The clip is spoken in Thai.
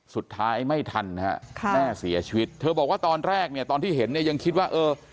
สุดท้ายไม่ทันนะฮะค่ะแม่เสียชีวิตเธอบอกว่าตอนแรกเนี่ยตอนที่เห็นเนี่ยยังคิดว่าเออ